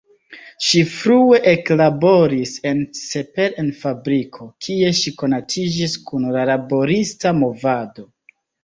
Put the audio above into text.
Ŝi frue eklaboris en Csepel en fabriko, kie ŝi konatiĝis kun la laborista movado.